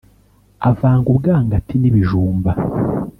Avanga ubwangati n'ibijumba